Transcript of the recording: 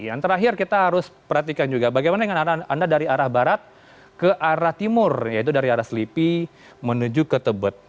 yang terakhir kita harus perhatikan juga bagaimana dengan anda dari arah barat ke arah timur yaitu dari arah selipi menuju ke tebet